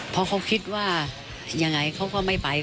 เพราะเขาคิดว่ายังไงเขาก็ไม่ไป